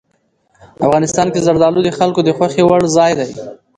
افغانستان کې زردالو د خلکو د خوښې وړ ځای دی.